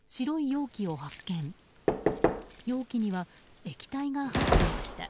容器には、液体が入っていました。